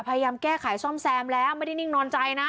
พยายามแก้ไขซ่อมแซมแล้วไม่ได้นิ่งนอนใจนะ